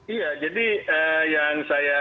iya jadi yang saya